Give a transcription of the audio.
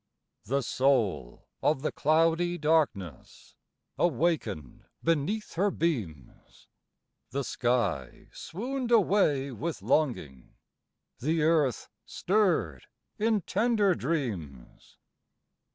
The soul of the cloudy darkness Awakened beneath her beams, The sky swooned away with longing, The Earth stirred in tender dreams.